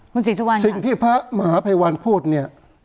คุณศรีสุวรรณสิ่งที่พระมหาภัยวันพูดเนี่ย